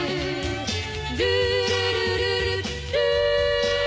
「ルールルルルルー」